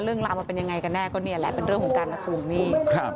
เรื่องล้าวมาเป็นอย่างไรกันแน่ก็ละก็เป็นเรื่องของการมาถูกนี่